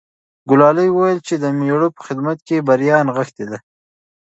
ګلالۍ وویل چې د مېړه په خدمت کې بریا نغښتې ده.